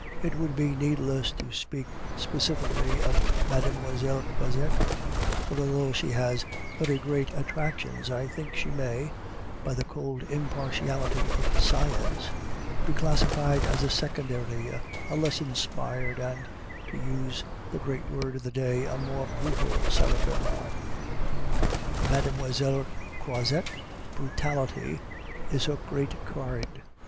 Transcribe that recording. It would be needless to speak specifically of Mademoiselle Croizette; for although she has very great attractions I think she may (by the cold impartiality of science) be classified as a secondary, a less inspired and (to use the great word of the day) a more "brutal" Sarah Bernhardt. (Mademoiselle Croizette's "brutality" is her great card.)